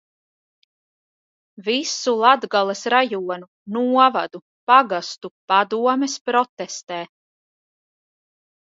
Visu Latgales rajonu, novadu, pagastu padomes protestē.